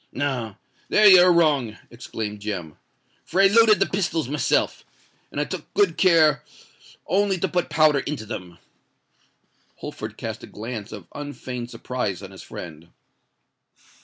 "No—there you are wrong," exclaimed Jem; "for I loaded the pistols myself, and I took good care only to put powder into them." Holford cast a glance of unfeigned surprise on his friend.